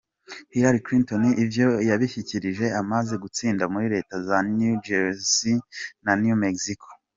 Hillary Clinton ivyo yabishikirije amaze gutsinda muri leta za New Jersey na New Mexico.